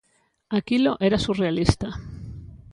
Aquilo era surrealista.